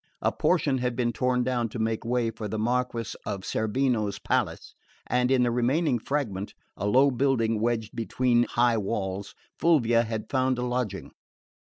A portion had been torn down to make way for the Marquess of Cerveno's palace, and in the remaining fragment, a low building wedged between high walls, Fulvia had found a lodging.